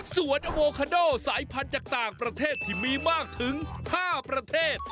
ส่วนอโมคาโดสายพันธุ์จากต่างประเทศที่มีมากถึง๕ประเทศ